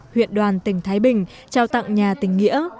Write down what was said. huyện đoàn tỉnh thái bình trao tặng nhà tình nghĩa